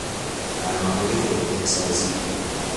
برنامهی خود بهسازی